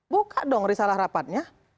buka dong risalah rapatnya